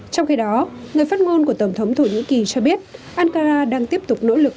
trong khi đó người phát ngôn của tổng thống thổ nhĩ kỳ cho biết ankara đang tiếp tục nỗ lực